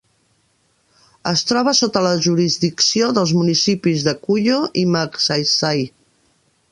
Es troba sota la jurisdicció dels municipis de Cuyo i Magsaysay.